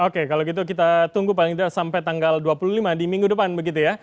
oke kalau gitu kita tunggu paling tidak sampai tanggal dua puluh lima di minggu depan begitu ya